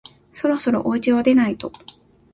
そろそろおうちを出ないと